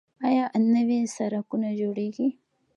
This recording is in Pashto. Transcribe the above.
آیا نوي سرکونه جوړیږي؟